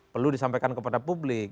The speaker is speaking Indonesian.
perlu disampaikan kepada publik